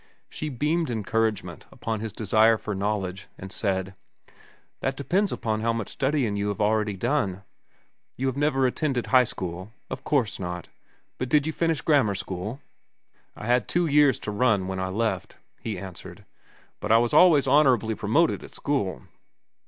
She beamed encouragement upon his desire for knowledge, and said: "That depends upon how much studying you have already done. You have never attended high school? Of course not. But did you finish grammar school?" "I had two years to run, when I left," he answered. "But I was always honorably promoted at school."